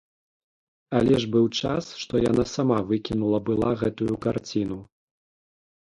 Але ж быў час, што яна сама выкінула была гэтую карціну!